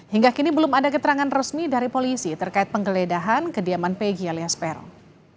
hingga kini belum ada keterangan resmi dari polisi terkait penggeledahan kediaman pegi alias peron